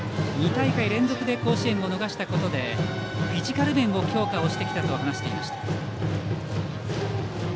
２大会連続で甲子園を逃したことでフィジカル面を強化してきたと話をしていました。